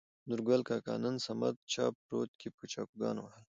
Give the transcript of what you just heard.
نورګل کاکا : نن صمد چا په رود کې په چاقيانو ووهلى.